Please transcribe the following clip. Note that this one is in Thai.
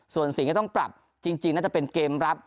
ส่วนสิ่งที่ต้องปรับจริงน่าจะเป็นเกมรับ